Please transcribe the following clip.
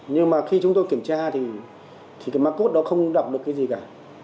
nhưng mà khi chúng tôi kiểm tra thì cái má cốt đó không đọc được cái gì cả